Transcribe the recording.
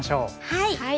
はい。